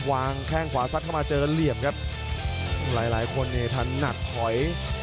วางแข้งขวาซัดเข้ามาเจอเหลี่ยมครับหลายคนเนี่ยทำหนักหอย